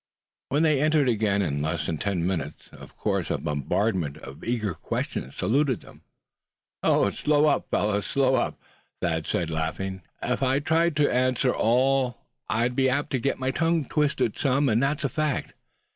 When they entered again in less than ten minutes, of course a bombardment of eager questions saluted them. "Slow up, fellows," Thad said, laughingly. "If I tried to answer you all, I'd be apt to get my tongue twisted some, and that's a fact.